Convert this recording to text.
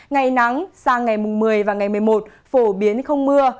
ngày nắng sang ngày mùng một mươi và ngày một mươi một phổ biến không mưa